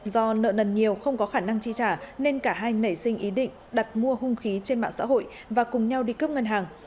do nợ nần nhiều không có khả năng chi trả nên cả hai nảy sinh ý định đặt mua hung khí trên mạng xã hội và cùng nhau đi cướp ngân hàng